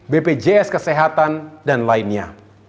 bpjs kesehatan dan lainnya